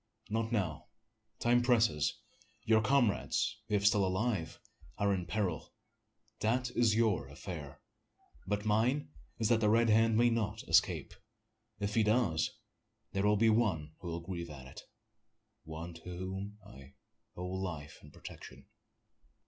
"Not now time presses. Your comrades, if still alive, are in peril. That is your affair; but mine is that the Red Hand may not escape. If he do, there's one will grieve at it one to whom I owe life and protection."